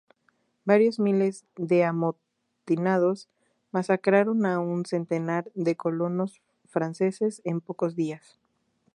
Varios miles de amotinados masacraron a un centenar de colonos franceses en pocos días.